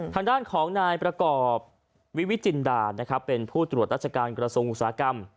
ทางด้านของนายประกอบวิวิจินดานะครับเป็นผู้ตรวจราชการกระทรวงอุตสาหกรรม